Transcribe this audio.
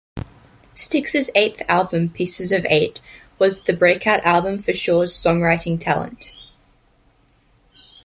Styx's eighth album, "Pieces of Eight", was the breakout album for Shaw's songwriting talent.